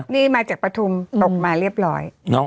นี่มาจากปฐุมตกมาเรียบร้อย